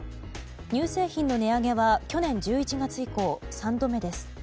乳製品の値上げは去年１１月以降３度目です。